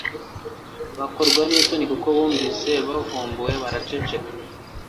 Bakorwa n'isoni kuko bumvise bavumbuwe, baraceceka.